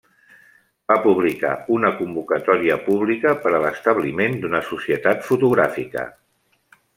Va publicar una convocatòria pública per a l'establiment d'una societat fotogràfica.